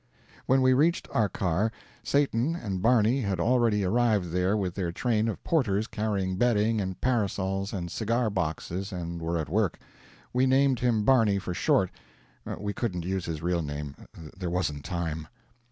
When we reached our car, Satan and Barney had already arrived there with their train of porters carrying bedding and parasols and cigar boxes, and were at work. We named him Barney for short; we couldn't use his real name, there wasn't time.